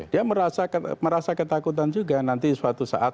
dia merasa ketakutan juga nanti suatu saat